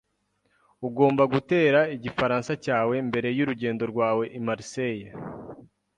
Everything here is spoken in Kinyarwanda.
Ugomba gutera igifaransa cyawe mbere yurugendo rwawe i Marseille.